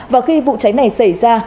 và khi vụ trái này xảy ra